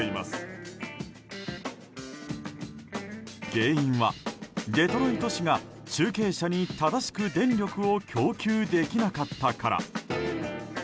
原因は、デトロイト市が中継車に正しく電力を供給できなかったから。